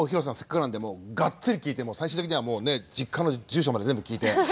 せっかくなんでもうがっつり聞いて最終的にはもうね実家の住所まで全部聞いて。